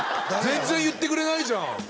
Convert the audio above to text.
全然言ってくれないじゃん